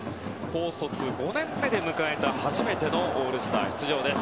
高卒５年目で迎えた初めてのオールスター出場です。